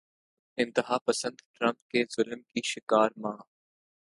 انتہا پسند ٹرمپ کے ظلم کی شکار ماں